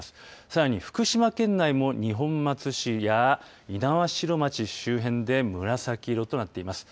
さらに福島県内も二本松市や猪苗代町周辺で紫色となっています。